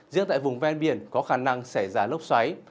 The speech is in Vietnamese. riêng tại vùng ven biển có khả năng xảy ra lốc xoáy